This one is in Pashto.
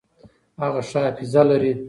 هغه ښه حافظه لري.